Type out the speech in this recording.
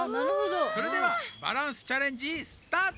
それではバランスチャレンジスタート！